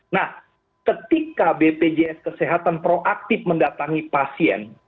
nah ketika bpjs kesehatan proaktif mendatangi pasien